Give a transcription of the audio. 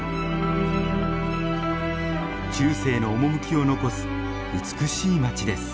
中世の趣を残す美しい町です。